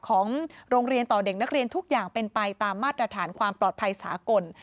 ของโรงเรียนต่อเด็กนักเรียนทุกอย่างเป็นไปตามมาตรฐานความปลอดภัยสากล